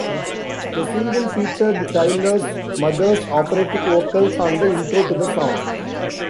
The single featured Tyler's mother's operatic vocals on the intro to the song.